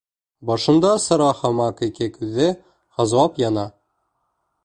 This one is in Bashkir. Башында сыра һымаҡ ике күҙе һазлап яна.